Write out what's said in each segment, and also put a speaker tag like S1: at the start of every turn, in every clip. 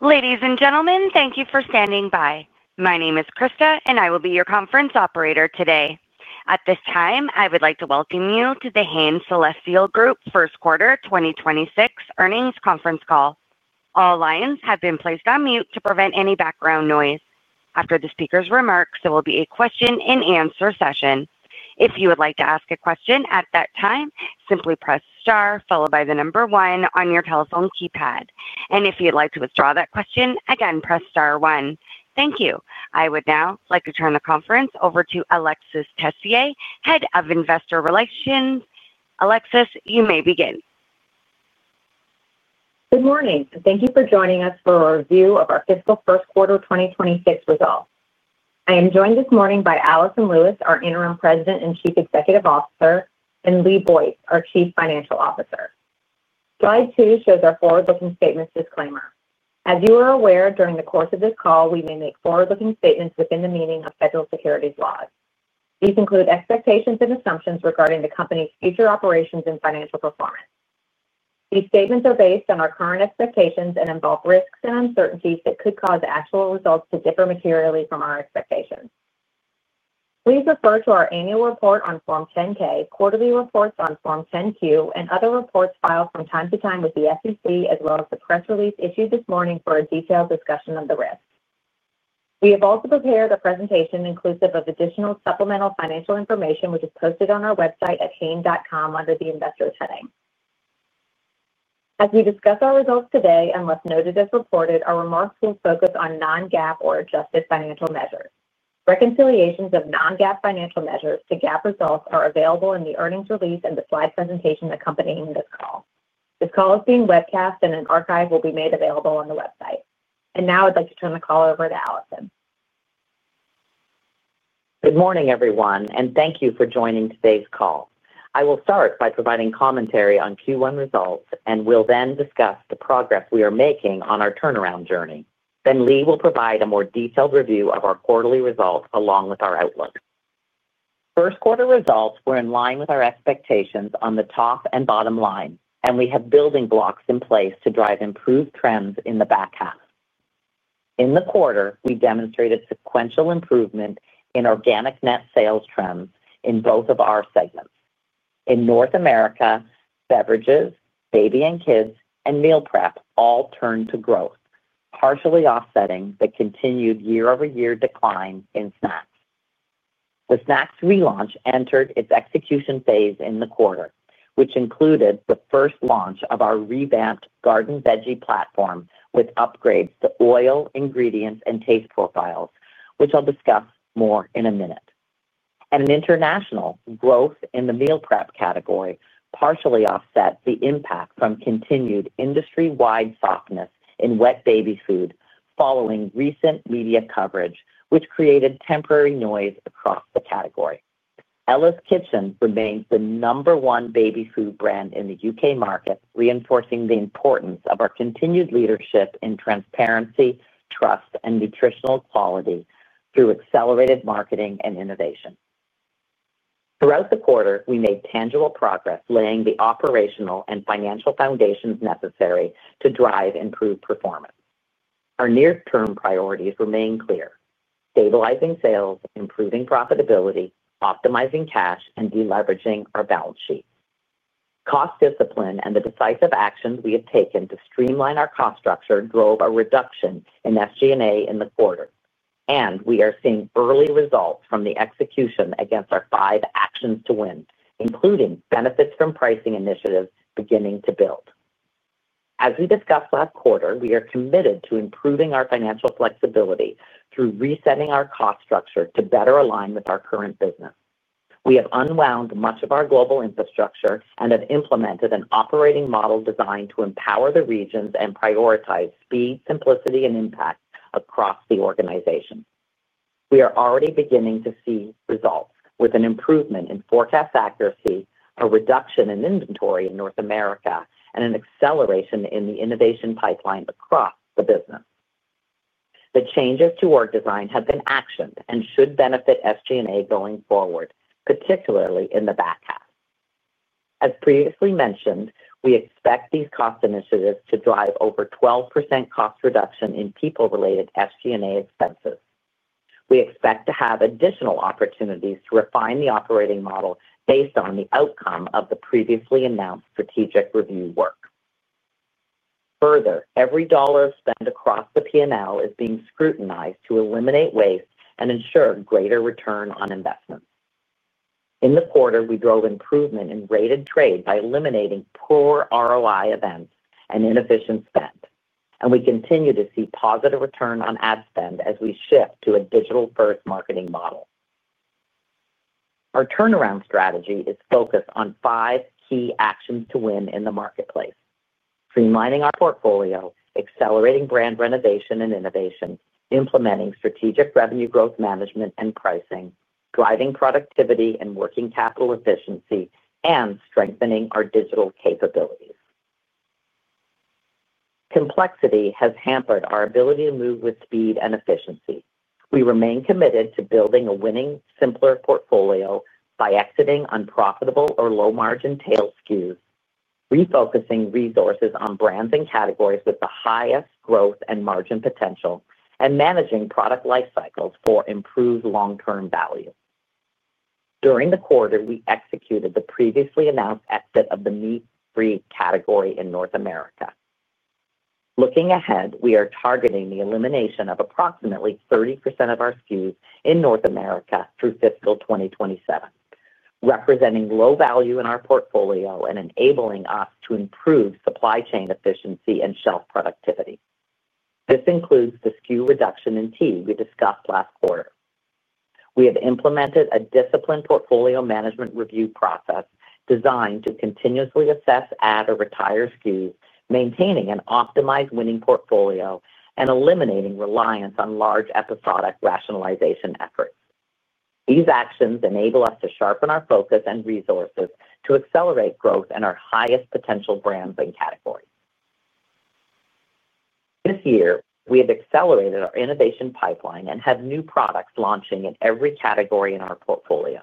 S1: Ladies and gentlemen, thank you for standing by. My name is Krista, and I will be your conference operator today. At this time, I would like to welcome you to The Hain Celestial Group first quarter 2026 earnings conference call. All lines have been placed on mute to prevent any background noise. After the speaker's remarks, there will be a question-and-answer session. If you would like to ask a question at that time, simply press star followed by the number one on your telephone keypad. If you'd like to withdraw that question, again, press star one. Thank you. I would now like to turn the conference over to Alexis Tessier, Head of Investor Relations. Alexis, you may begin.
S2: Good morning. Thank you for joining us for a review of our fiscal first quarter 2026 results. I am joined this morning by Alison Lewis, our Interim President and Chief Executive Officer, and Lee Boyce, our Chief Financial Officer. Slide two shows our forward-looking statements disclaimer. As you are aware, during the course of this call, we may make forward-looking statements within the meaning of federal securities laws. These include expectations and assumptions regarding the company's future operations and financial performance. These statements are based on our current expectations and involve risks and uncertainties that could cause actual results to differ materially from our expectations. Please refer to our annual report on Form 10-K, quarterly reports on Form 10-Q, and other reports filed from time to time with the SEC, as well as the press release issued this morning for a detailed discussion of the risks. We have also prepared a presentation inclusive of additional supplemental financial information, which is posted on our website at hain.com under the Investors heading. As we discuss our results today, unless noted as reported, our remarks will focus on non-GAAP or adjusted financial measures. Reconciliations of non-GAAP financial measures to GAAP results are available in the earnings release and the slide presentation accompanying this call. This call is being webcast, and an archive will be made available on the website. I would like to turn the call over to Alison.
S3: Good morning, everyone, and thank you for joining today's call. I will start by providing commentary on Q1 results, and we will then discuss the progress we are making on our turnaround journey, then Lee will provide a more detailed review of our quarterly results along with our outlook. First quarter results were in line with our expectations on the top and bottom line, and we have building blocks in place to drive improved trends in the back half. In the quarter, we demonstrated sequential improvement in organic net sales trends in both of our segments. In North America, beverages, baby and kids, and meal prep all turned to growth, partially offsetting the continued year-over-year decline in snacks. The snacks relaunch entered its execution phase in the quarter, which included the first launch of our revamped Garden Veggie platform with upgrades to oil ingredients and taste profiles, which I'll discuss more in a minute. International growth in the meal prep category partially offset the impact from continued industry-wide softness in wet baby food following recent media coverage, which created temporary noise across the category. Ella's Kitchen remains the number one baby food brand in the U.K. market, reinforcing the importance of our continued leadership in transparency, trust, and nutritional quality through accelerated marketing and innovation. Throughout the quarter, we made tangible progress, laying the operational and financial foundations necessary to drive improved performance. Our near-term priorities remain clear: stabilizing sales, improving profitability, optimizing cash, and deleveraging our balance sheet. Cost discipline and the decisive actions we have taken to streamline our cost structure drove a reduction in SG&A in the quarter, and we are seeing early results from the execution against our five actions to win, including benefits from pricing initiatives beginning to build. As we discussed last quarter, we are committed to improving our financial flexibility through resetting our cost structure to better align with our current business. We have unwound much of our global infrastructure and have implemented an operating model designed to empower the regions and prioritize speed, simplicity, and impact across the organization. We are already beginning to see results with an improvement in forecast accuracy, a reduction in inventory in North America, and an acceleration in the innovation pipeline across the business. The changes to our design have been actioned and should benefit SG&A going forward, particularly in the back half. As previously mentioned, we expect these cost initiatives to drive over 12% cost reduction in people-related SG&A expenses. We expect to have additional opportunities to refine the operating model based on the outcome of the previously announced strategic review work. Further, every dollar spent across the P&L is being scrutinized to eliminate waste and ensure greater return on investment. In the quarter, we drove improvement in rated trade by eliminating poor ROI events and inefficient spend, and we continue to see positive return on ad spend as we shift to a digital-first marketing model. Our turnaround strategy is focused on five key actions to win in the marketplace: streamlining our portfolio, accelerating brand renovation and innovation, implementing strategic revenue growth management and pricing, driving productivity and working capital efficiency, and strengthening our digital capabilities. Complexity has hampered our ability to move with speed and efficiency. We remain committed to building a winning, simpler portfolio by exiting unprofitable or low-margin tail SKUs, refocusing resources on brands and categories with the highest growth and margin potential, and managing product life cycles for improved long-term value. During the quarter, we executed the previously announced exit of the meat-free category in North America. Looking ahead, we are targeting the elimination of approximately 30% of our SKUs in North America through fiscal 2027, representing low value in our portfolio and enabling us to improve supply chain efficiency and shelf productivity. This includes the SKU reduction in T we discussed last quarter. We have implemented a disciplined portfolio management review process designed to continuously assess, add, or retire SKUs, maintaining an optimized winning portfolio, and eliminating reliance on large episodic rationalization efforts. These actions enable us to sharpen our focus and resources to accelerate growth in our highest potential brands and categories. This year, we have accelerated our innovation pipeline and have new products launching in every category in our portfolio.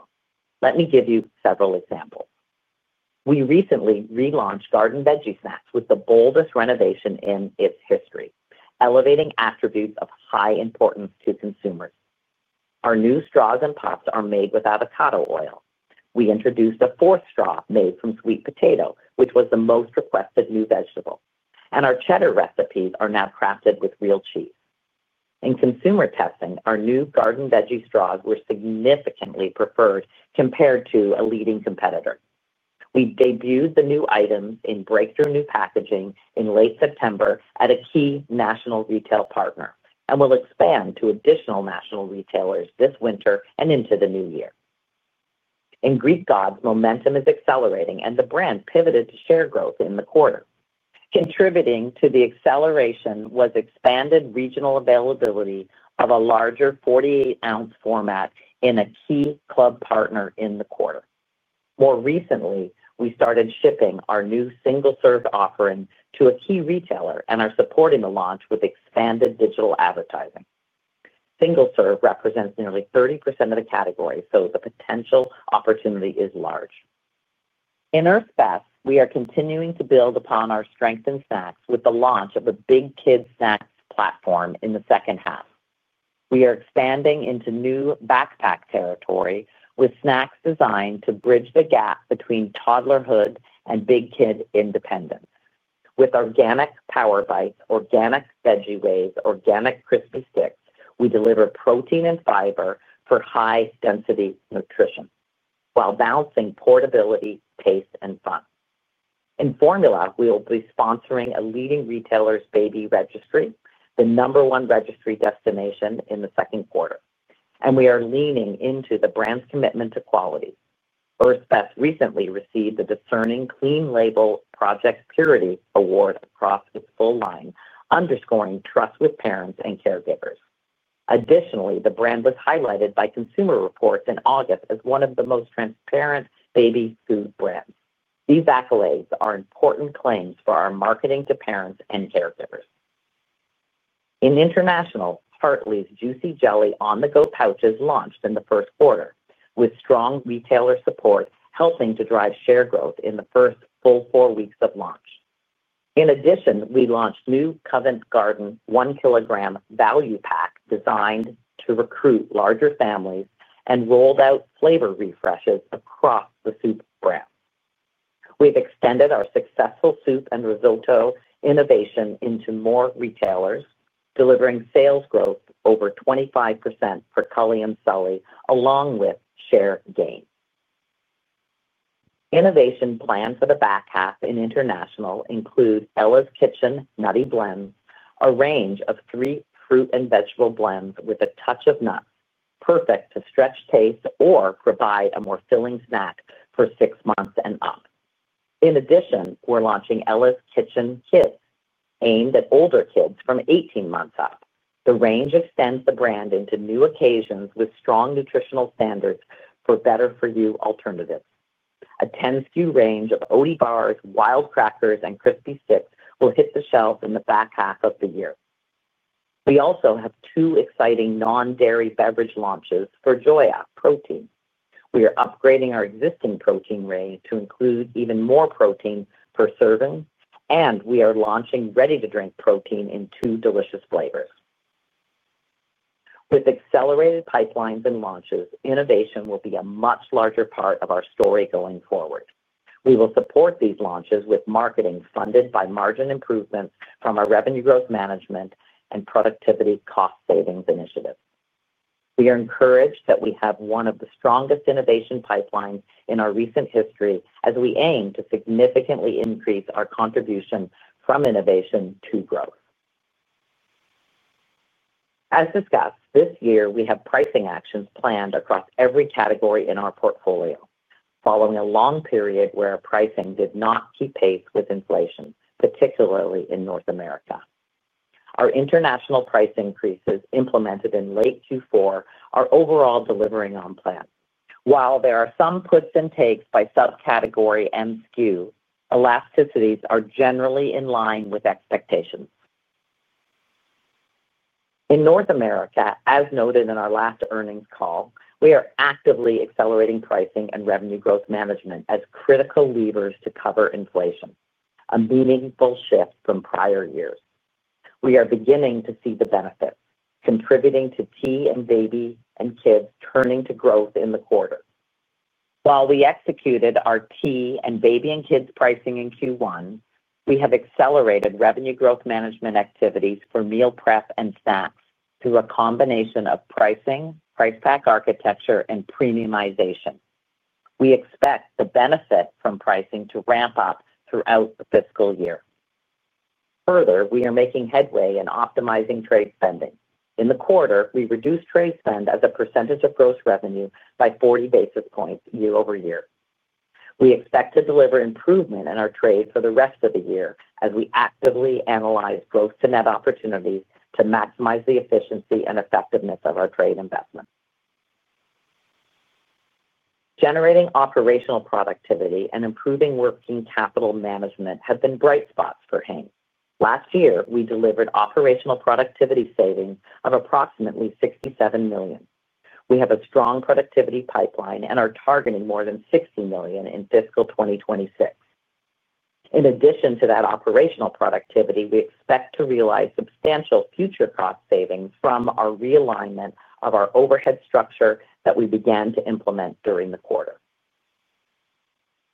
S3: Let me give you several examples. We recently relaunched Garden Veggie Snacks with the boldest renovation in its history, elevating attributes of high importance to consumers. Our new straws and pops are made with avocado oil. We introduced a fourth straw made from sweet potato, which was the most requested new vegetable, and our cheddar recipes are now crafted with real cheese. In consumer testing, our new Garden Veggie straws were significantly preferred compared to a leading competitor. We debuted the new items in breakthrough new packaging in late September at a key national retail partner and will expand to additional national retailers this winter and into the new year. In Greek Gods, momentum is accelerating, and the brand pivoted to share growth in the quarter. Contributing to the acceleration was expanded regional availability of a larger 48-ounce format in a key club partner in the quarter. More recently, we started shipping our new single-serve offering to a key retailer and are supporting the launch with expanded digital advertising. Single serve represents nearly 30% of the category, so the potential opportunity is large. In our snacks, we are continuing to build upon our strength in snacks with the launch of a big kid snacks platform in the second half. We are expanding into new backpack territory with snacks designed to bridge the gap between toddlerhood and big kid independence. With organic power bites, organic veggie waves, organic crispy sticks, we deliver protein and fiber for high-density nutrition while balancing portability, taste, and fun. In formula, we will be sponsoring a leading retailer's baby registry, the number one registry destination in the second quarter, and we are leaning into the brand's commitment to quality. Earth's Best recently received the discerning Clean Label Project Purity Award across its full line, underscoring trust with parents and caregivers. Additionally, the brand was highlighted by Consumer Reports in August as one of the most transparent baby food brands. These accolades are important claims for our marketing to parents and caregivers. In international, Hartley's Juicy Jelly On-the-Go pouches launched in the first quarter, with strong retailer support helping to drive share growth in the first full four weeks of launch. In addition, we launched new Covent Garden 1 kg value pack designed to recruit larger families and rolled out flavor refreshes across the soup brand. We've extended our successful soup and risotto innovation into more retailers, delivering sales growth over 25% per Covent Garden and Celestial Seasonings, along with share gain. Innovation planned for the back half in international include Ella's Kitchen Nutty Blends, a range of three fruit and vegetable blends with a touch of nuts, perfect to stretch taste or provide a more filling snack for six months and up. In addition, we're launching Ella's Kitchen Kids, aimed at older kids from 18 months up. The range extends the brand into new occasions with strong nutritional standards for better-for-you alternatives. A 10-SKU range of Oaty Bars, Wild Crackers, and Crispy Sticks will hit the shelves in the back half of the year. We also have two exciting non-dairy beverage launches for Joya Protein. We are upgrading our existing protein range to include even more protein per serving, and we are launching ready-to-drink protein in two delicious flavors. With accelerated pipelines and launches, innovation will be a much larger part of our story going forward. We will support these launches with marketing funded by margin improvements from our revenue growth management and productivity cost savings initiative. We are encouraged that we have one of the strongest innovation pipelines in our recent history as we aim to significantly increase our contribution from innovation to growth. As discussed, this year we have pricing actions planned across every category in our portfolio, following a long period where pricing did not keep pace with inflation, particularly in North America. Our international price increases implemented in late Q4 are overall delivering on plan. While there are some puts and takes by subcategory and SKU, elasticities are generally in line with expectations. In North America, as noted in our last earnings call, we are actively accelerating pricing and revenue growth management as critical levers to cover inflation, a meaningful shift from prior years. We are beginning to see the benefits, contributing to tea and baby and kids turning to growth in the quarter. While we executed our tea and baby and kids pricing in Q1, we have accelerated revenue growth management activities for meal prep and snacks through a combination of pricing, price pack architecture, and premiumization. We expect the benefit from pricing to ramp up throughout the fiscal year. Further, we are making headway in optimizing trade spending. In the quarter, we reduced trade spend as a percentage of gross revenue by 40 basis points year-over-year. We expect to deliver improvement in our trade for the rest of the year as we actively analyze growth to net opportunities to maximize the efficiency and effectiveness of our trade investment. Generating operational productivity and improving working capital management have been bright spots for Hain. Last year, we delivered operational productivity savings of approximately $67 million. We have a strong productivity pipeline and are targeting more than $60 million in fiscal 2026. In addition to that operational productivity, we expect to realize substantial future cost savings from our realignment of our overhead structure that we began to implement during the quarter.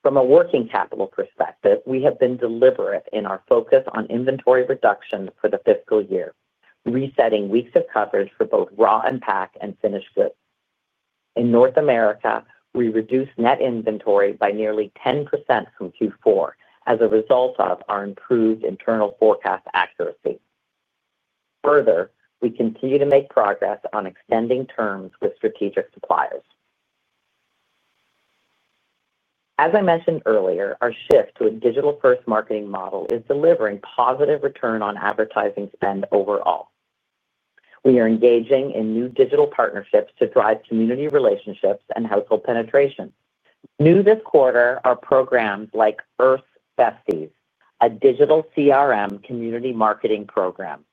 S3: From a working capital perspective, we have been deliberate in our focus on inventory reduction for the fiscal year, resetting weeks of coverage for both raw and pack and finished goods. In North America, we reduced net inventory by nearly 10% from Q4 as a result of our improved internal forecast accuracy. Further, we continue to make progress on extending terms with strategic suppliers. As I mentioned earlier, our shift to a digital-first marketing model is delivering positive return on advertising spend overall. We are engaging in new digital partnerships to drive community relationships and household penetration. New this quarter are programs like Earth's Festies, a digital CRM community marketing program,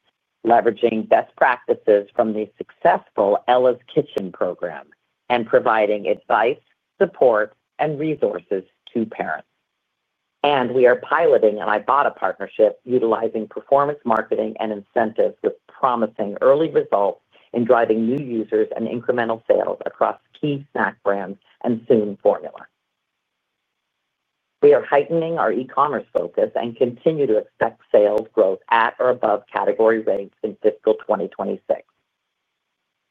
S3: leveraging best practices from the successful Ella's Kitchen program and providing advice, support, and resources to parents. We are piloting an Ibotta partnership utilizing performance marketing and incentives with promising early results in driving new users and incremental sales across key snack brands and soon formula. We are heightening our e-commerce focus and continue to expect sales growth at or above category rates in fiscal 2026.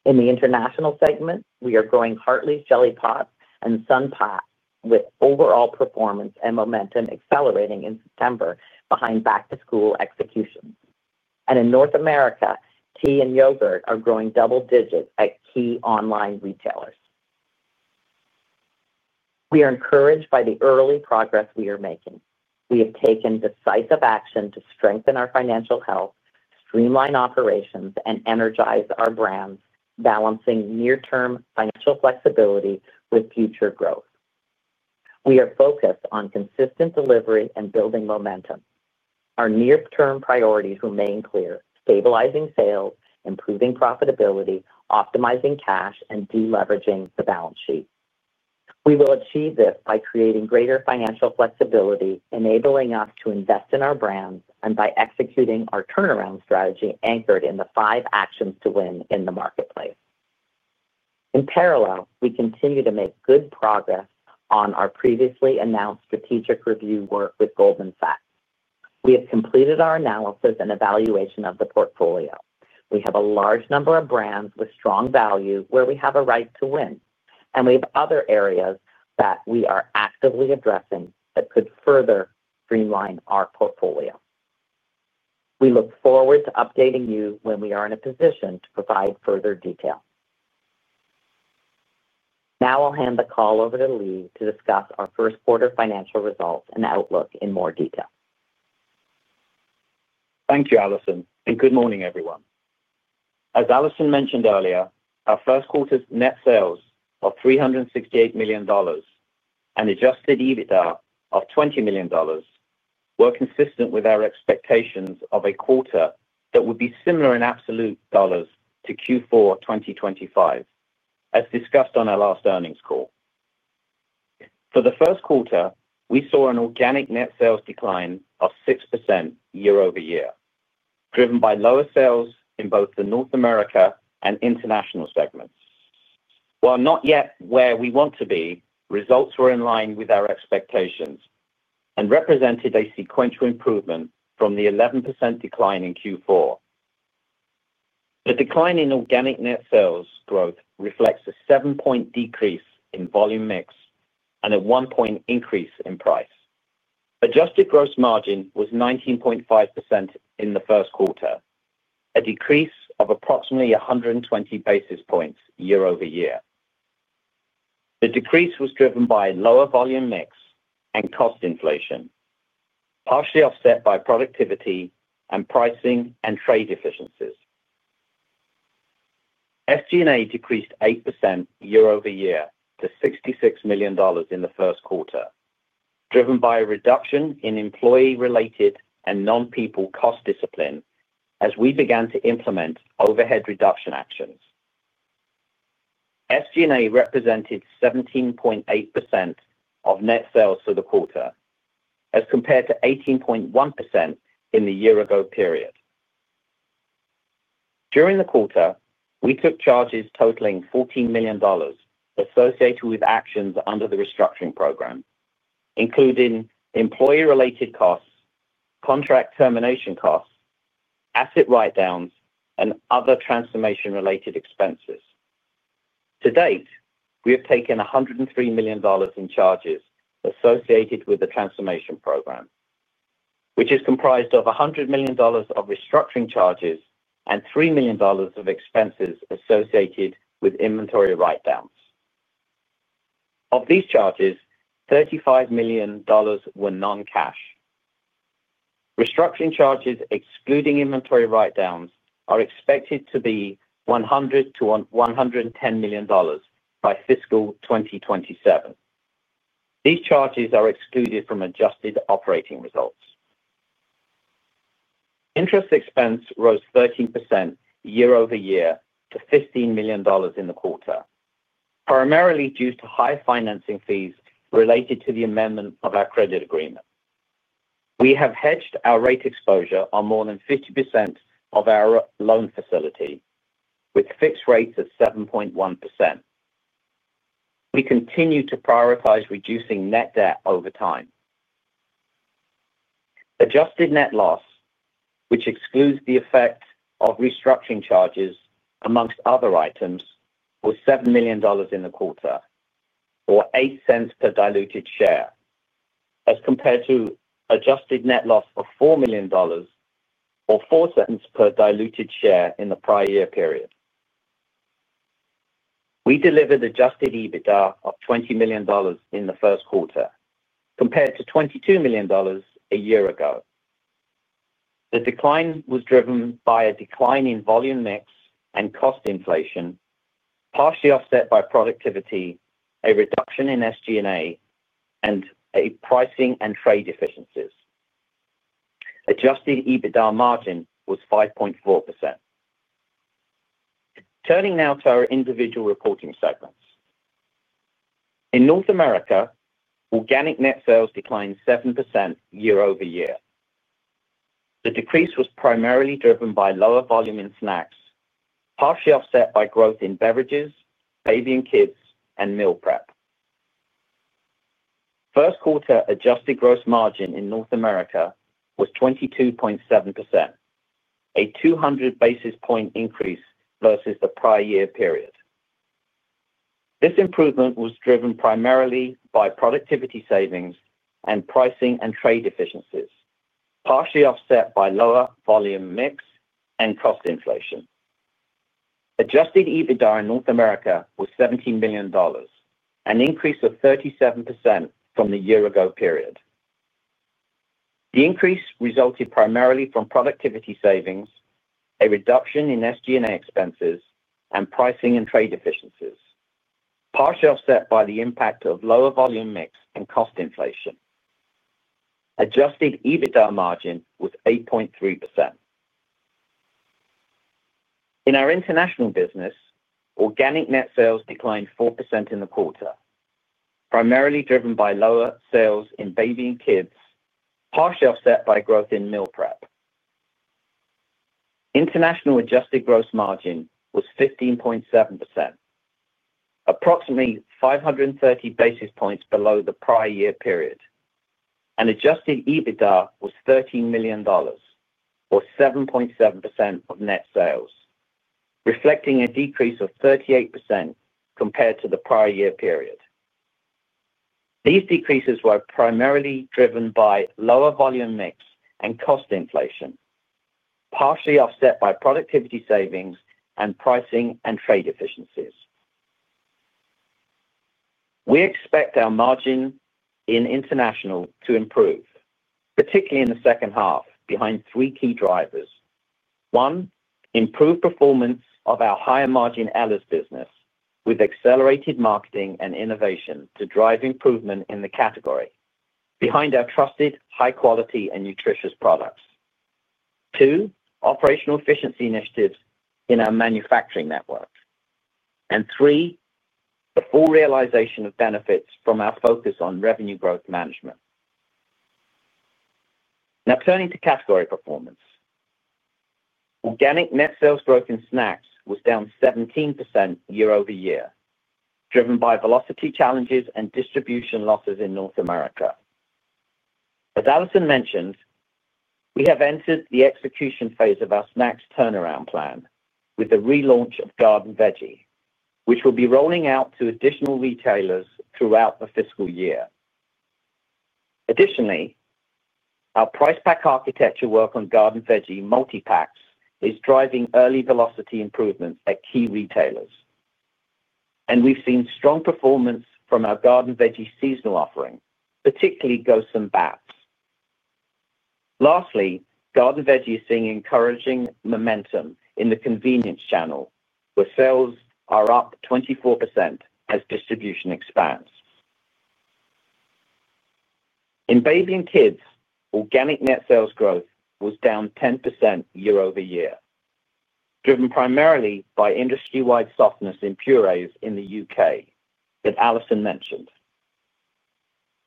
S3: In the international segment, we are growing Hartley's Jelly Pops and Sun Pops with overall performance and momentum accelerating in September behind back-to-school executions. In North America, tea and yogurt are growing double digits at key online retailers. We are encouraged by the early progress we are making. We have taken decisive action to strengthen our financial health, streamline operations, and energize our brands, balancing near-term financial flexibility with future growth. We are focused on consistent delivery and building momentum. Our near-term priorities remain clear: stabilizing sales, improving profitability, optimizing cash, and deleveraging the balance sheet. We will achieve this by creating greater financial flexibility, enabling us to invest in our brands, and by executing our turnaround strategy anchored in the five actions to win in the marketplace. In parallel, we continue to make good progress on our previously announced strategic review work with Goldman Sachs. We have completed our analysis and evaluation of the portfolio. We have a large number of brands with strong value where we have a right to win, and we have other areas that we are actively addressing that could further streamline our portfolio. We look forward to updating you when we are in a position to provide further detail. Now I'll hand the call over to Lee to discuss our first quarter financial results and outlook in more detail.
S4: Thank you, Alison, and good morning, everyone. As Alison mentioned earlier, our first quarter's net sales of $368 million and adjusted EBITDA of $20 million were consistent with our expectations of a quarter that would be similar in absolute dollars to Q4 2025, as discussed on our last earnings call. For the first quarter, we saw an organic net sales decline of 6% year-over-year, driven by lower sales in both the North America and international segments. While not yet where we want to be, results were in line with our expectations and represented a sequential improvement from the 11% decline in Q4. The decline in organic net sales growth reflects a seven-point decrease in volume mix and a one-point increase in price. Adjusted gross margin was 19.5% in the first quarter, a decrease of approximately 120 basis points year-over-year. The decrease was driven by lower volume mix and cost inflation, partially offset by productivity and pricing and trade efficiencies. SG&A decreased 8% year-over-year to $66 million in the first quarter, driven by a reduction in employee-related and non-people cost discipline as we began to implement overhead reduction actions. SG&A represented 17.8% of net sales for the quarter, as compared to 18.1% in the year-ago period. During the quarter, we took charges totaling $14 million associated with actions under the restructuring program, including employee-related costs, contract termination costs, asset write-downs, and other transformation-related expenses. To date, we have taken $103 million in charges associated with the transformation program, which is comprised of $100 million of restructuring charges and $3 million of expenses associated with inventory write-downs. Of these charges, $35 million were non-cash. Restructuring charges excluding inventory write-downs are expected to be $100 million-$110 million by fiscal 2027. These charges are excluded from adjusted operating results. Interest expense rose 13% year-over-year to $15 million in the quarter, primarily due to high financing fees related to the amendment of our credit agreement. We have hedged our rate exposure on more than 50% of our loan facility with fixed rates of 7.1%. We continue to prioritize reducing net debt over time. Adjusted net loss, which excludes the effect of restructuring charges amongst other items, was $7 million in the quarter, or $0.08 per diluted share, as compared to adjusted net loss of $4 million or $0.04 per diluted share in the prior year period. We delivered adjusted EBITDA of $20 million in the first quarter, compared to $22 million a year ago. The decline was driven by a decline in volume mix and cost inflation, partially offset by productivity, a reduction in SG&A, and pricing and trade efficiencies. Adjusted EBITDA margin was 5.4%. Turning now to our individual reporting segments. In North America, organic net sales declined 7% year-over-year. The decrease was primarily driven by lower volume in snacks, partially offset by growth in beverages, baby and kids, and meal prep. First quarter adjusted gross margin in North America was 22.7%, a 200 basis point increase versus the prior year period. This improvement was driven primarily by productivity savings and pricing and trade efficiencies, partially offset by lower volume mix and cost inflation. Adjusted EBITDA in North America was $17 million, an increase of 37% from the year-ago period. The increase resulted primarily from productivity savings, a reduction in SG&A expenses, and pricing and trade efficiencies, partially offset by the impact of lower volume mix and cost inflation. Adjusted EBITDA margin was 8.3%. In our international business, organic net sales declined 4% in the quarter, primarily driven by lower sales in baby and kids, partially offset by growth in meal prep. International adjusted gross margin was 15.7%, approximately 530 basis points below the prior year period. Adjusted EBITDA was $13 million, or 7.7% of net sales, reflecting a decrease of 38% compared to the prior year period. These decreases were primarily driven by lower volume mix and cost inflation, partially offset by productivity savings and pricing and trade efficiencies. We expect our margin in international to improve, particularly in the second half, behind three key drivers. One, improved performance of our higher-margin Ella's business with accelerated marketing and innovation to drive improvement in the category behind our trusted, high-quality, and nutritious products. Two, operational efficiency initiatives in our manufacturing network. Three, the full realization of benefits from our focus on revenue growth management. Now turning to category performance. Organic net sales growth in snacks was down 17% year-over-year, driven by velocity challenges and distribution losses in North America. As Alison mentioned, we have entered the execution phase of our snacks turnaround plan with the relaunch of Garden Veggie, which will be rolling out to additional retailers throughout the fiscal year. Additionally, our price pack architecture work on Garden Veggie multi-packs is driving early velocity improvements at key retailers. We have seen strong performance from our Garden Veggie seasonal offering, particularly Ghosts and Bats. Lastly, Garden Veggie is seeing encouraging momentum in the convenience channel, where sales are up 24% as distribution expands. In baby and kids, organic net sales growth was down 10% year-over-year, driven primarily by industry-wide softness in purees in the U.K. that Alison mentioned.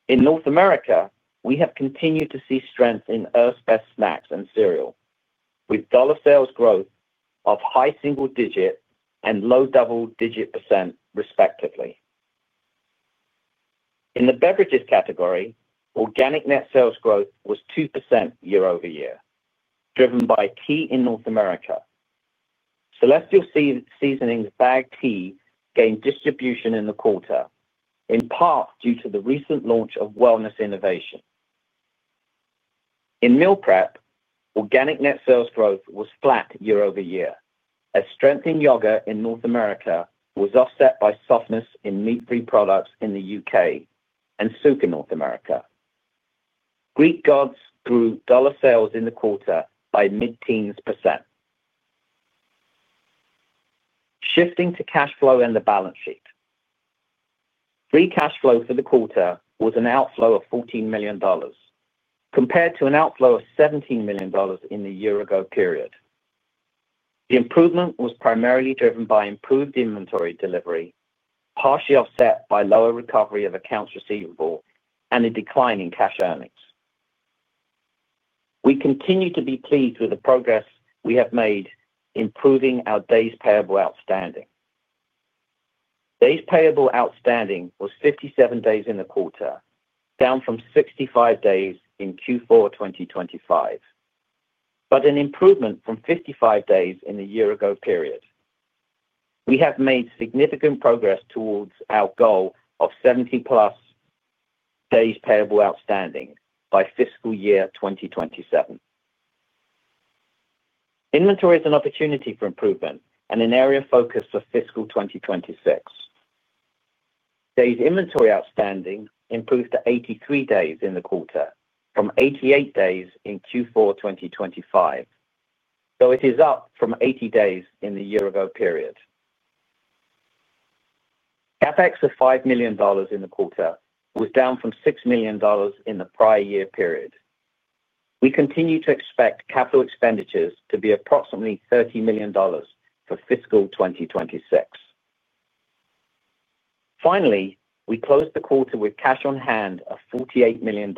S4: In North America, we have continued to see strength in Earth's Best Snacks and Cereal, with dollar sales growth of high single-digit and low double-digit percent, respectively. In the beverages category, organic net sales growth was 2% year-over-year, driven by tea in North America. Celestial Seasonings' bagged tea gained distribution in the quarter, in part due to the recent launch of wellness innovation. In meal prep, organic net sales growth was flat year-over-year, as strength in yogurt in North America was offset by softness in meat-free products in the U.K. and soup in North America. Greek Gods grew dollar sales in the quarter by mid-teens percent. Shifting to cash flow and the balance sheet. Free cash flow for the quarter was an outflow of $14 million, compared to an outflow of $17 million in the year-ago period. The improvement was primarily driven by improved inventory delivery, partially offset by lower recovery of accounts receivable and a decline in cash earnings. We continue to be pleased with the progress we have made, improving our day's payable outstanding. Day's payable outstanding was 57 days in the quarter, down from 65 days in Q4 2025, but an improvement from 55 days in the year-ago period. We have made significant progress towards our goal of 70+ days payable outstanding by fiscal year 2027. Inventory is an opportunity for improvement and an area of focus for fiscal 2026. Day's inventory outstanding improved to 83 days in the quarter, from 88 days in Q4 2025, though it is up from 80 days in the year-ago period. CapEx of $5 million in the quarter was down from $6 million in the prior year period. We continue to expect capital expenditures to be approximately $30 million for fiscal 2026. Finally, we closed the quarter with cash on hand of $48 million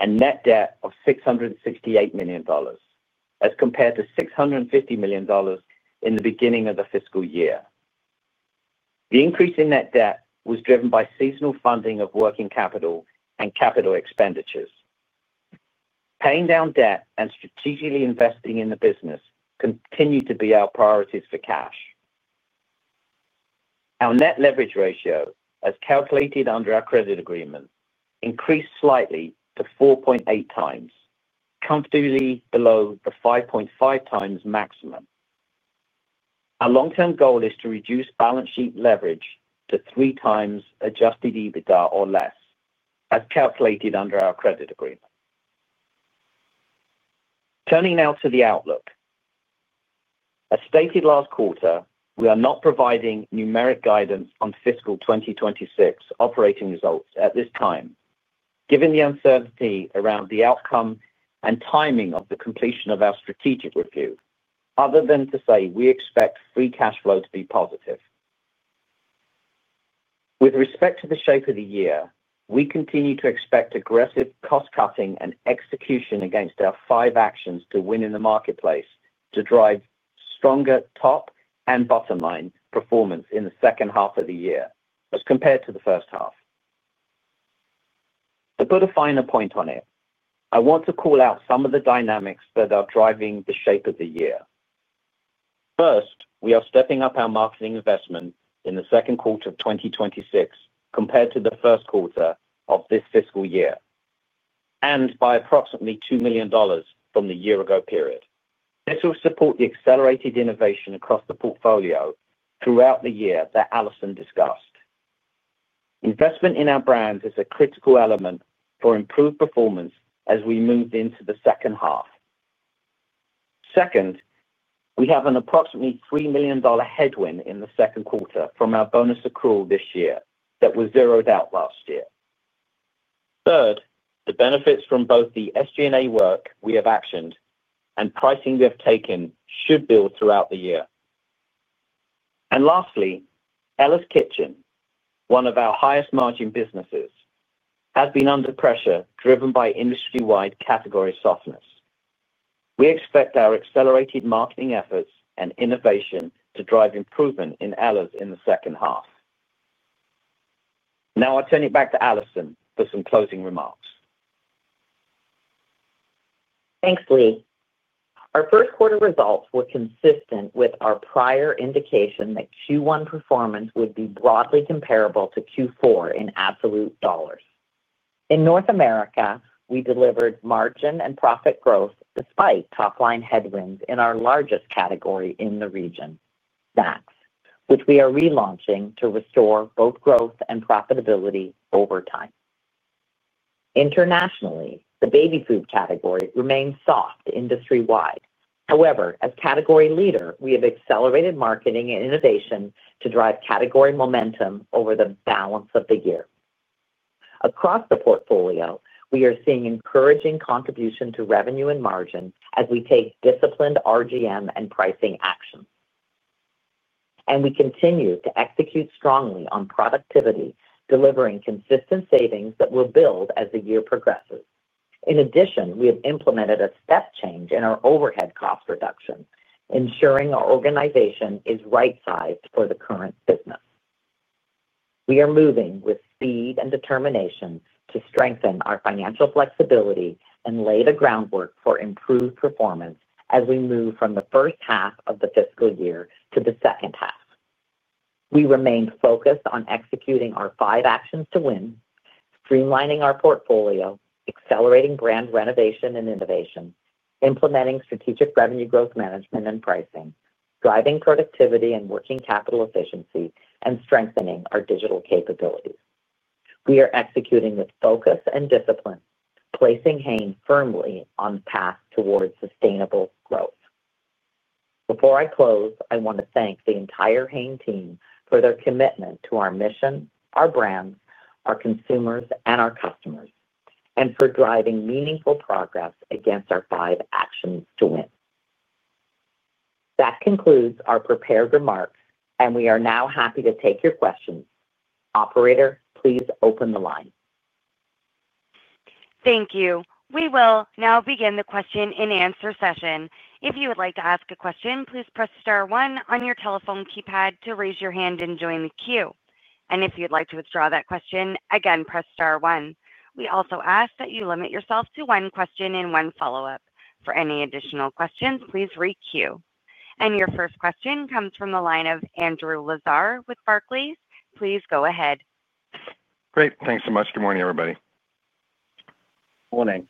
S4: and net debt of $668 million, as compared to $650 million in the beginning of the fiscal year. The increase in net debt was driven by seasonal funding of working capital and capital expenditures. Paying down debt and strategically investing in the business continue to be our priorities for cash. Our net leverage ratio, as calculated under our credit agreement, increased slightly to 4.8x, comfortably below the 5.5x maximum. Our long-term goal is to reduce balance sheet leverage to three times adjusted EBITDA or less, as calculated under our credit agreement. Turning now to the outlook. As stated last quarter, we are not providing numeric guidance on fiscal 2026 operating results at this time, given the uncertainty around the outcome and timing of the completion of our strategic review, other than to say we expect free cash flow to be positive. With respect to the shape of the year, we continue to expect aggressive cost-cutting and execution against our five actions to win in the marketplace to drive stronger top and bottom-line performance in the second half of the year, as compared to the first half. To put a finer point on it, I want to call out some of the dynamics that are driving the shape of the year. First, we are stepping up our marketing investment in the second quarter of 2026 compared to the first quarter of this fiscal year, and by approximately $2 million from the year-ago period. This will support the accelerated innovation across the portfolio throughout the year that Alison discussed. Investment in our brand is a critical element for improved performance as we move into the second half. Second, we have an approximately $3 million headwind in the second quarter from our bonus accrual this year that was zeroed out last year. Third, the benefits from both the SG&A work we have actioned and pricing we have taken should build throughout the year. Lastly, Ella's Kitchen, one of our highest-margin businesses, has been under pressure driven by industry-wide category softness. We expect our accelerated marketing efforts and innovation to drive improvement in Ella's in the second half. Now I'll turn it back to Alison for some closing remarks.
S3: Thanks, Lee. Our first quarter results were consistent with our prior indication that Q1 performance would be broadly comparable to Q4 in absolute dollars. In North America, we delivered margin and profit growth despite top-line headwinds in our largest category in the region, snacks, which we are relaunching to restore both growth and profitability over time. Internationally, the baby food category remains soft industry-wide. However, as category leader, we have accelerated marketing and innovation to drive category momentum over the balance of the year. Across the portfolio, we are seeing encouraging contribution to revenue and margin as we take disciplined RGM and pricing actions. We continue to execute strongly on productivity, delivering consistent savings that will build as the year progresses. In addition, we have implemented a step change in our overhead cost reduction, ensuring our organization is right-sized for the current business. We are moving with speed and determination to strengthen our financial flexibility and lay the groundwork for improved performance as we move from the first half of the fiscal year to the second half. We remain focused on executing our five actions to win, streamlining our portfolio, accelerating brand renovation and innovation, implementing strategic revenue growth management and pricing, driving productivity and working capital efficiency, and strengthening our digital capabilities. We are executing with focus and discipline, placing Hain firmly on the path towards sustainable growth. Before I close, I want to thank the entire Hain team for their commitment to our mission, our brands, our consumers, and our customers, and for driving meaningful progress against our five actions to win. That concludes our prepared remarks, and we are now happy to take your questions. Operator, please open the line.
S1: Thank you. We will now begin the question-and-answer session. If you would like to ask a question, please press star one on your telephone keypad to raise your hand and join the queue. If you'd like to withdraw that question, again, press star one. We also ask that you limit yourself to one question and one follow-up. For any additional questions, please re-queue. Your first question comes from the line of Andrew Lazar with Barclays. Please go ahead.
S5: Great. Thanks so much. Good morning, everybody.
S4: Morning.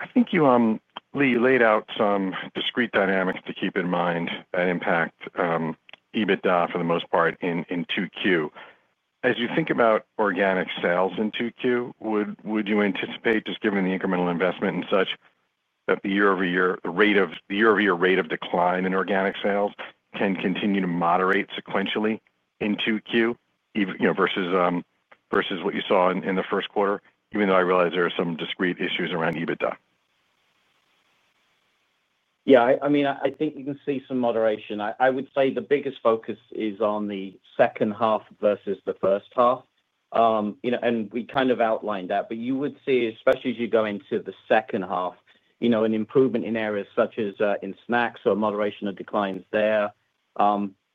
S5: I think you, Lee, laid out some discrete dynamics to keep in mind that impact EBITDA for the most part in 2Q. As you think about organic sales in 2Q, would you anticipate, just given the incremental investment and such, that the year-over-year rate of decline in organic sales can continue to moderate sequentially in 2Q versus what you saw in the first quarter, even though I realize there are some discrete issues around EBITDA?
S4: Yeah. I mean, I think you can see some moderation. I would say the biggest focus is on the second half versus the first half. We kind of outlined that. You would see, especially as you go into the second half, an improvement in areas such as in snacks or moderation of declines there.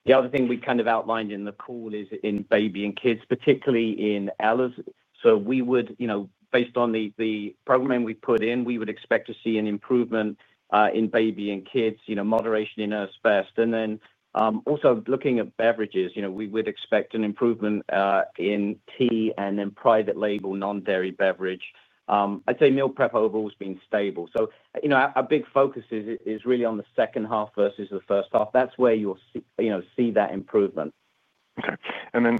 S4: The other thing we kind of outlined in the call is in baby and kids, particularly in Ella's. Based on the programming we put in, we would expect to see an improvement in baby and kids, moderation in Earth's Best snacks. Also, looking at beverages, we would expect an improvement in tea and then private label non-dairy beverage. I'd say meal prep overall has been stable. Our big focus is really on the second half versus the first half. That's where you'll see that improvement.
S5: Okay.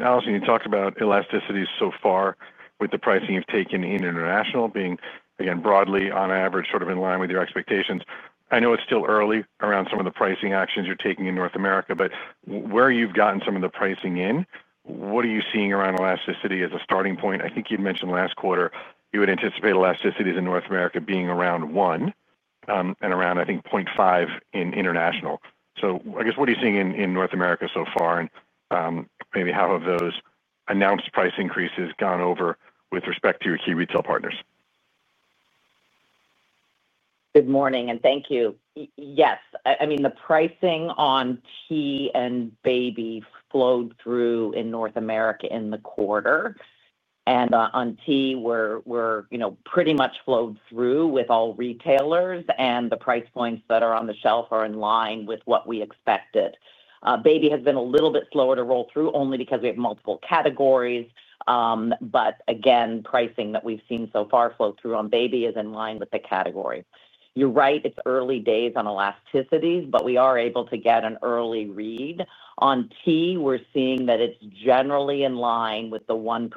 S5: Alison, you talked about elasticity so far with the pricing you've taken in international being, again, broadly on average, sort of in line with your expectations. I know it's still early around some of the pricing actions you're taking in North America, but where you've gotten some of the pricing in, what are you seeing around elasticity as a starting point? I think you'd mentioned last quarter you would anticipate elasticity in North America being around one and around, I think, 0.5 in international. I guess, what are you seeing in North America so far and maybe how have those announced price increases gone over with respect to your key retail partners?
S3: Good morning, and thank you. Yes. I mean, the pricing on tea and baby flowed through in North America in the quarter. On tea, we're pretty much flowed through with all retailers, and the price points that are on the shelf are in line with what we expected. Baby has been a little bit slower to roll through only because we have multiple categories. Again, pricing that we've seen so far flow through on baby is in line with the category. You're right, it's early days on elasticities, but we are able to get an early read. On tea, we're seeing that it's generally in line with the 1%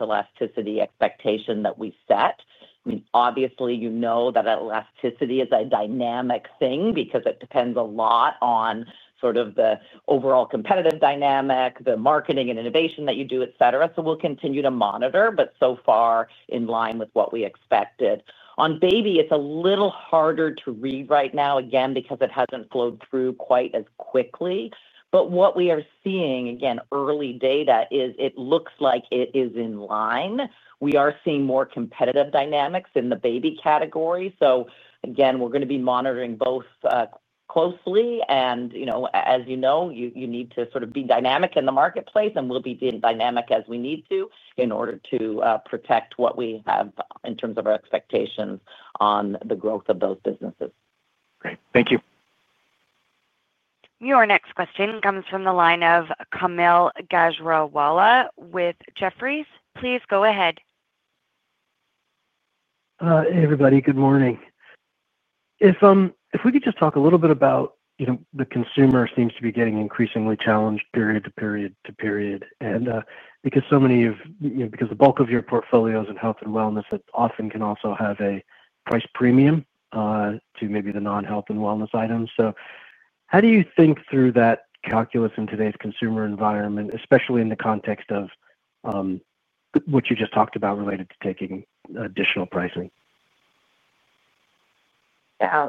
S3: elasticity expectation that we set. I mean, obviously, you know that elasticity is a dynamic thing because it depends a lot on sort of the overall competitive dynamic, the marketing and innovation that you do, etc. We will continue to monitor, but so far in line with what we expected. On baby, it's a little harder to read right now, again, because it hasn't flowed through quite as quickly. What we are seeing, again, early data is it looks like it is in line. We are seeing more competitive dynamics in the baby category. We are going to be monitoring both closely. As you know, you need to sort of be dynamic in the marketplace, and we will be dynamic as we need to in order to protect what we have in terms of our expectations on the growth of those businesses.
S5: Great. Thank you.
S1: Your next question comes from the line of Kaumil Gajrawala with Jefferies. Please go ahead.
S6: Hey, everybody. Good morning. If we could just talk a little bit about the consumer seems to be getting increasingly challenged period to period to period because so many of because the bulk of your portfolio is in health and wellness that often can also have a price premium to maybe the non-health and wellness items. How do you think through that calculus in today's consumer environment, especially in the context of what you just talked about related to taking additional pricing?
S3: Yeah.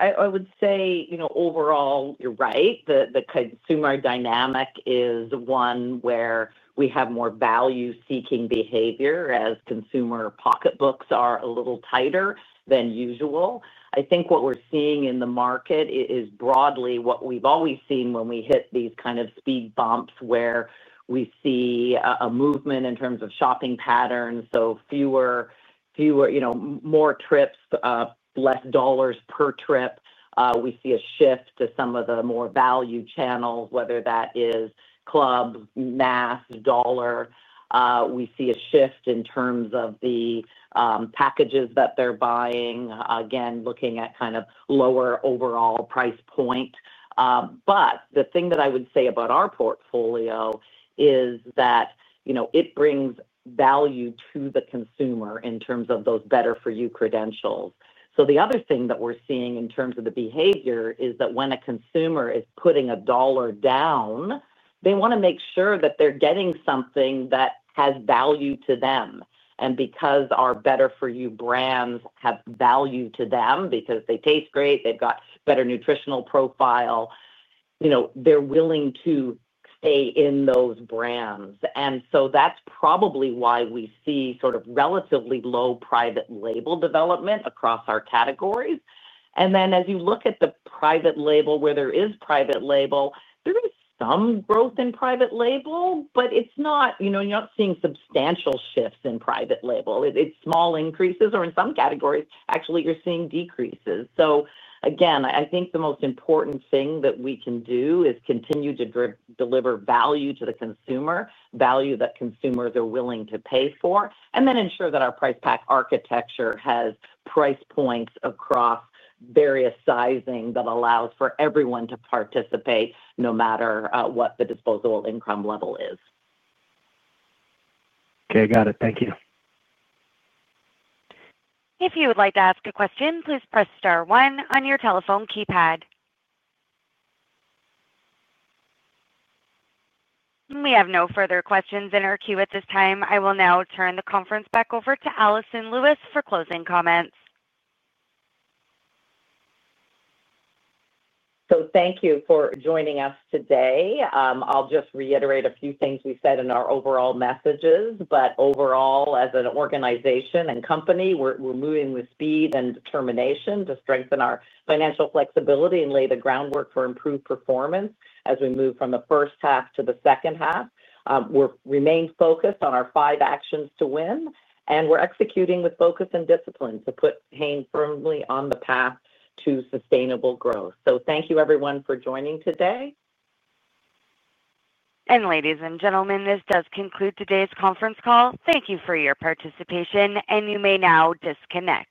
S3: I would say overall, you are right. The consumer dynamic is one where we have more value-seeking behavior as consumer pocketbooks are a little tighter than usual. I think what we're seeing in the market is broadly what we've always seen when we hit these kind of speed bumps where we see a movement in terms of shopping patterns. Fewer, more trips, less dollars per trip. We see a shift to some of the more value channels, whether that is clubs, mass, dollar. We see a shift in terms of the packages that they're buying, again, looking at kind of lower overall price point. The thing that I would say about our portfolio is that it brings value to the consumer in terms of those better-for-you credentials. The other thing that we're seeing in terms of the behavior is that when a consumer is putting a dollar down, they want to make sure that they're getting something that has value to them. Because our better-for-you brands have value to them because they taste great, they've got better nutritional profile, they're willing to stay in those brands. That's probably why we see relatively low private label development across our categories. As you look at the private label where there is private label, there is some growth in private label, but you're not seeing substantial shifts in private label. It's small increases, or in some categories, actually, you're seeing decreases. I think the most important thing that we can do is continue to deliver value to the consumer, value that consumers are willing to pay for, and then ensure that our price pack architecture has price points across various sizing that allows for everyone to participate no matter what the disposable income level is.
S6: Okay. Got it. Thank you.
S1: If you would like to ask a question, please press star one on your telephone keypad. We have no further questions in our queue at this time. I will now turn the conference back over to Alison Lewis for closing comments.
S3: Thank you for joining us today. I'll just reiterate a few things we said in our overall messages. Overall, as an organization and company, we're moving with speed and determination to strengthen our financial flexibility and lay the groundwork for improved performance as we move from the first half to the second half. We remain focused on our five actions to win, and we're executing with focus and discipline to put Hain firmly on the path to sustainable growth. Thank you, everyone, for joining today.
S1: Ladies and gentlemen, this does conclude today's conference call. Thank you for your participation, and you may now disconnect.